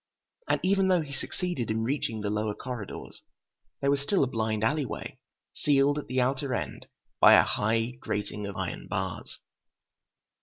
And even though he succeeded in reaching the lower corridors, there was still a blind alley way, sealed at the outer end by a high grating of iron bars....